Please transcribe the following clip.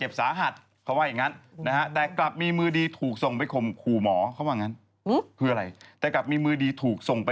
ไปหมอที่รักษาลักษาชื่ออะไรนะ